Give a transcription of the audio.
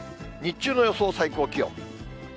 日中の予想最高気温。